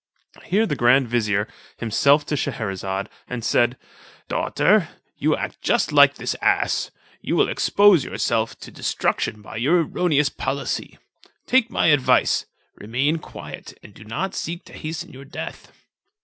Here the grand vizier, himself to Scheherazade, and said, "Daughter, you act just like this ass; you will expose yourself to destruction by your erroneous policy. Take my advice, remain quiet, and do not seek to hasten your death."